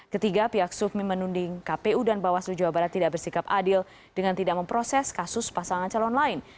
ketiga pihak sufmi menunding kpu dan bawaslu jawa barat tidak bersikap adil dengan tidak memproses kasus pasangan calon lain